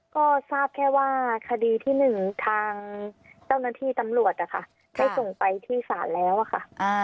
ก็ทราบแค่ว่าคดีที่๑ทางเจ้าหน้าที่ตำรวจนะคะได้ส่งไปที่ศาลแล้วค่ะ